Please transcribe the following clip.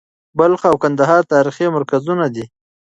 بلخ او کندهار تاریخي مرکزونه دي.